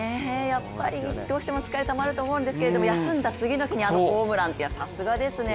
やっぱりどうしても疲れたまると思うんですけど休んだ次の日にあのホームランってさすがですね。